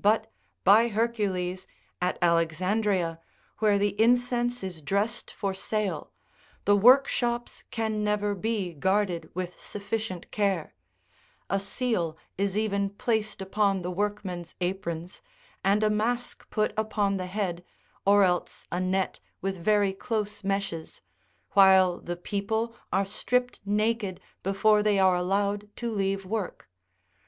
But, by Hercules ! at Alexandria, where the incense is dressed for sale, the workshops can never be guarded with sufficient care ; a seal is even placed upon the workmen's aprons, and a mask put upon the head, or else a net with very close meshes, while the people are stripped naked before they are allowed to leave work.